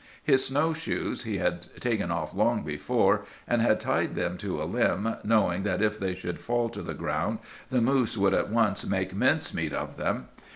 "His snow shoes he had taken off long before, and had tied them to a limb, knowing that if they should fall to the ground the moose would at once make mince meat of them.